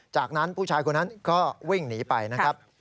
จากนั้นผู้ชายคนนั้นก็วิ่งหนีไปนะครับ